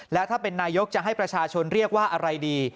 แล้วถ้าเป็นนายกจะให้ประชาชนเรียกว่าอะไรดี